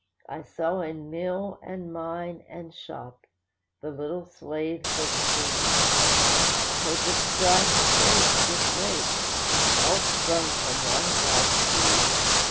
I saw in mill, and mine, and shop, the little slaves of greed; I heard the strife of race with race, all sprung from one God seed.